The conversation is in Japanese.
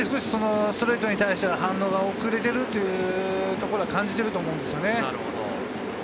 ストレートに対しては反応が遅れているというところは感じていると思うんですね。